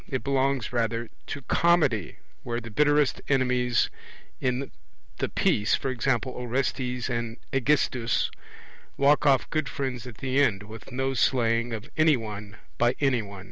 It belongs rather to Comedy, where the bitterest enemies in the piece (e.g. Orestes and Aegisthus) walk off good friends at the end, with no slaying of any one by any one.